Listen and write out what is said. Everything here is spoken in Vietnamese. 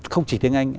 không chỉ tiếng anh